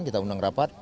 kita undang rapat